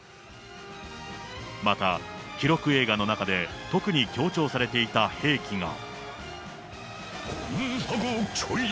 また、記録映画の中で特に強調されていた兵器が。